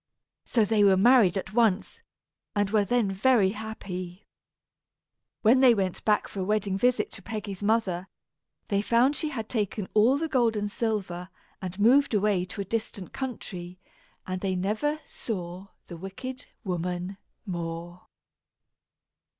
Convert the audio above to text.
So they were married at once, and were then very happy. When they went back for a wedding visit to Peggy's mother, they found she had taken all the gold and silver and moved away to a distant country; and they never saw the wicked woman more.